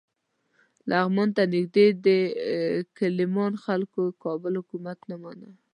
لغمان ته نږدې د کیلمان خلکو د کابل حکومت نه مانه.